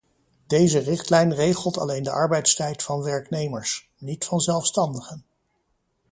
Deze richtlijn regelt alleen de arbeidstijd van werknemers, niet van zelfstandigen.